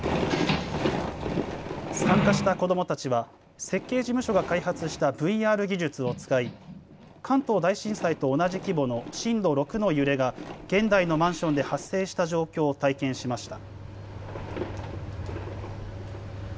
参加した子どもたちは設計事務所が開発したＶＲ技術を使い関東大震災と同じ規模の震度６の揺れが現代のマンションで発生した状況を体験しました。